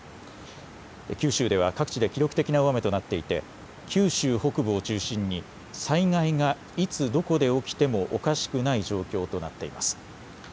九州では各地で記録的な大雨となっていて九州北部を中心に災害がいつどこで起きてもおかしくない状況となっています。